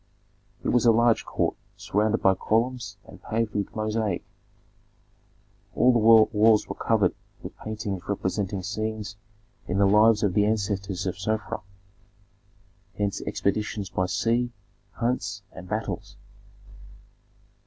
It was a large court surrounded by columns and paved with mosaic. All the walls were covered with paintings representing scenes in the lives of the ancestors of Sofra; hence expeditions by sea, hunts, and battles.